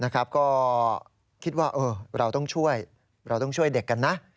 ก็คิดว่าเราต้องช่วยเด็กกันนะ